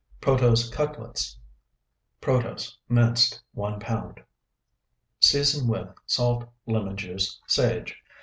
PROTOSE CUTLETS (1) Protose, minced, 1 pound. Season with Salt. Lemon juice. Sage.